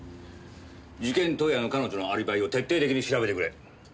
事件当夜の彼女のアリバイを徹底的に調べてくれ。